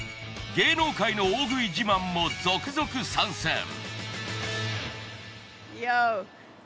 芸能界の大食い自慢も続々参戦。